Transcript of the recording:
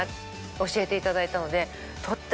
教えていただいたので。